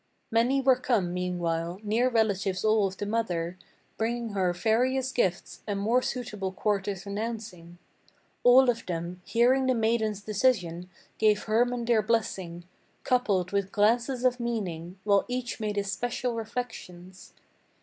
Many were come, meanwhile, near relatives all of the mother, Bringing her various gifts, and more suitable quarters announcing. All of them, hearing the maiden's decision, gave Hermann their blessing, Coupled with glances of meaning, while each made his special reflections.